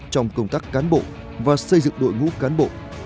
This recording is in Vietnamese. trong công tác cán bộ và xây dựng đội ngũ cán bộ